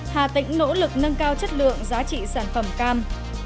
hà tĩnh nỗ lực nâng cao chất lượng giá trị sản phẩm cam